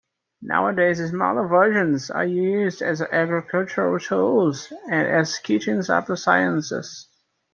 Nowadays smaller versions are used as agricultural tools and as kitchen appliances.